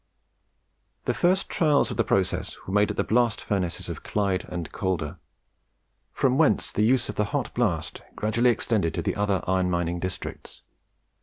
The first trials of the process were made at the blast furnaces of Clyde and Calder; from whence the use of the hot blast gradually extended to the other iron mining districts.